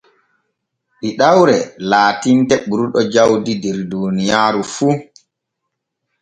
Ɗiɗawre laatinte ɓurɗo jawdi der duuniyaaru fu.